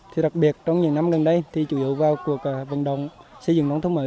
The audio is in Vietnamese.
thì đặc biệt trong những năm gần đây thì chủ yếu vào cuộc vận động xây dựng nông thôn mới